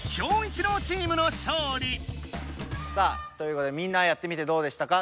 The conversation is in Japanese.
さあということでみんなやってみてどうでしたか？